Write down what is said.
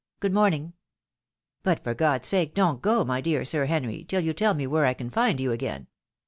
Good morning !"" But for God's sake don't go, my dear Sir Henry, tUl you tell me where I can find you again!